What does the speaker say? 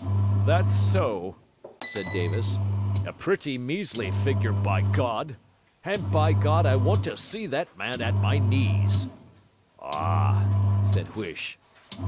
'That's so,' said Davis, 'a pretty measly figure, by God! And, by God, I want to see that man at my knees.' 'Ah!' said Huish.